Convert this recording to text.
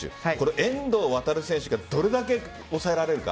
遠藤航選手がどれだけ抑えられるか。